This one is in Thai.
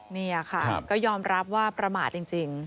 นี่ค่ะก็ยอมรับว่าประมาทจริง